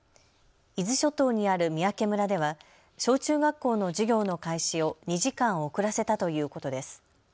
伊豆諸島にある三宅村では小中学校の授業の開始を２時間遅らせたということです。